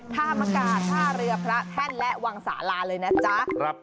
ท่ามกาศท่าเรือพระแท่นและวังสาลาเลยนะจ๊ะ